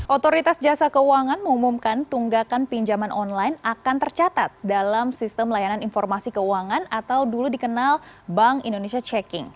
otoritas jasa keuangan mengumumkan tunggakan pinjaman online akan tercatat dalam sistem layanan informasi keuangan atau dulu dikenal bank indonesia checking